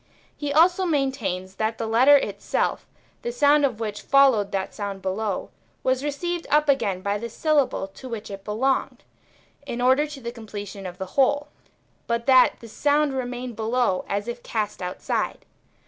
He also maintains that the letter itself, the sound of which followed that sound below, was received up again by the syllable to which it belonged, in order to the completion of the whole, but that the sound remained below as if cast outside.